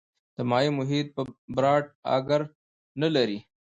د مایع محیط یا براټ اګر نه لري.